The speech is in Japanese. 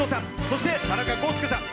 そして、田中功介さん。